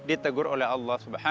itu pun juga akan tenggelam